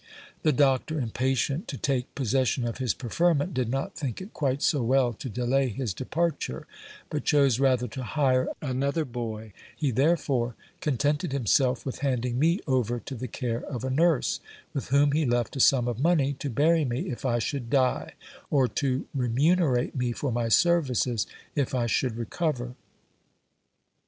The doctor, impatient to take possession of his preferment, did not think it quite so well to delay his de parture, but chose rather to hire another boy ; he therefore contented himself with handing me over to the care of a nurse, with whom he left a sum of money to bury me if I should die, or to remunerate me for my services if I should re cover. SCIPIO'S STORY.